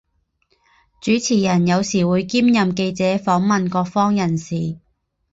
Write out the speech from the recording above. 主持人有时会兼任记者访问各方人士。